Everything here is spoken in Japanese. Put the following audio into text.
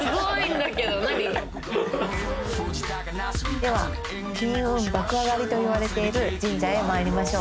では金運爆上がりといわれている神社へ参りましょう。